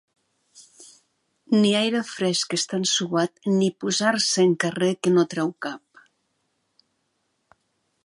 Ni aire fresc estant suat ni posar-se en carrer que no treu cap.